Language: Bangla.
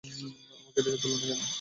আমাকে ডেকে তুলোনি কেন?